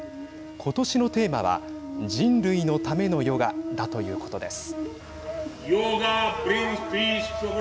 ことしのテーマは人類のためのヨガだということです。